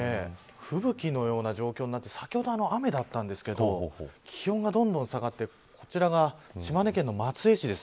吹雪のような状況になって先ほど雨だったんですけど気温がどんどん下がってこちらが島根県の松江市です。